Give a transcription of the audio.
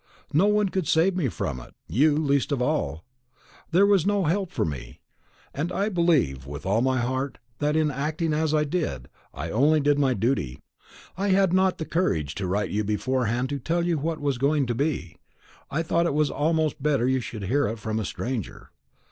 No one could save me from it, you least of all. There was no help for me; and I believe, with all my heart, that, in acting as I did, I only did my duty. I had not the courage to write to you beforehand to tell you what was going to be. I thought it was almost better you should hear it from a stranger.